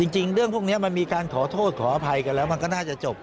จริงเรื่องพวกนี้มันมีการขอโทษขออภัยกันแล้วมันก็น่าจะจบ